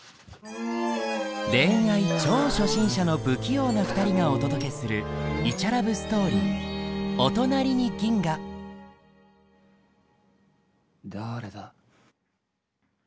恋愛超初心者の不器用な２人がお届けするイチャラブストーリーだれだ？